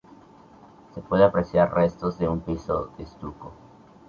Se pueden apreciar restos de un piso de estuco.